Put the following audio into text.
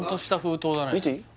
見ていい？